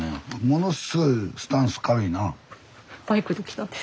ものすごいスタンス軽いな。